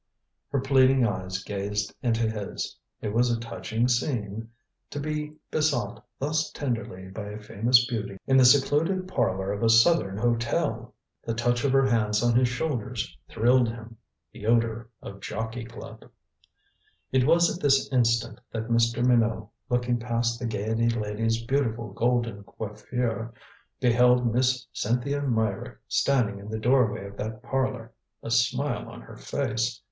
Her pleading eyes gazed into his. It was a touching scene. To be besought thus tenderly by a famous beauty in the secluded parlor of a southern hotel! The touch of her hands on his shoulders thrilled him. The odor of Jockey Club It was at this instant that Mr. Minot, looking past the Gaiety lady's beautiful golden coiffure, beheld Miss Cynthia Meyrick standing in the doorway of that parlor, a smile on her face.